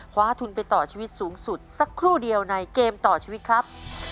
คว้าทุนไปต่อชีวิตสูงสุดสักครู่เดียวในเกมต่อชีวิตครับ